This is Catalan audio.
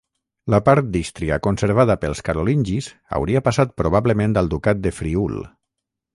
La part d'Ístria conservada pels carolingis hauria passat probablement al ducat de Friül.